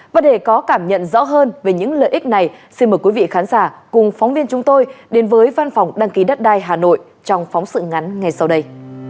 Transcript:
và để có cảm nhận rõ hơn về những lợi ích này xin mời quý vị khán giả cùng phóng viên chúng tôi đến với văn phòng đăng ký đất đai hà nội trong phóng sự ngắn ngay sau đây